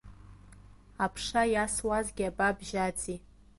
Аԥша иасуазгьы абабжьаӡи?!